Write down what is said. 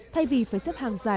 thay vì phải xếp hàng dài dưới chỗ